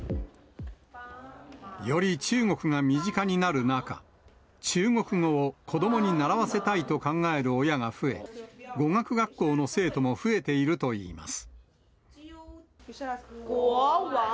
より中国が身近になる中、中国語を子どもに習わせたいと考える親が増え、語学学校の生徒も増えているといいます。